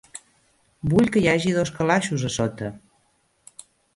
Vull que hi hagi dos calaixos a sota.